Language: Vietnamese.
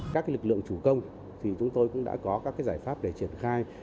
các lực lượng chủ công chúng tôi cũng đã có các giải pháp để triển khai